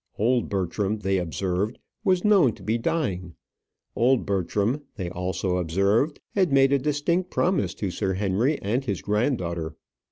Old Bertram, they observed, was known to be dying. Old Bertram, they also observed, had made a distinct promise to Sir Henry and his granddaughter.